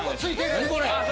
・何これ！